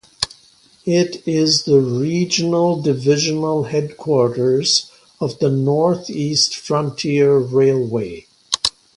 It is the regional divisional headquarters of the North East Frontier Railway.